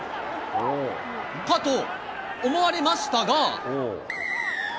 かと思われましたが。